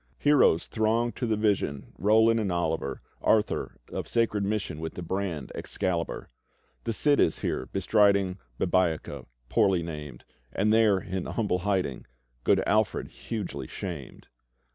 Heroes throng to the vision Roland and Oliver, Arthur of sacred mission With the brand Excalibur. The Cid is there, bestriding Babieca, poorly named. And there in humble hiding. Good Alfred hugely shamed.